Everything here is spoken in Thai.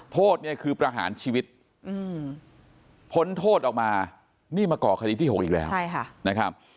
โทษเนี่ยคือประหารชีวิตพ้นโทษออกมานี่มาก่อคดีที่๖อีกแล้วนะครับ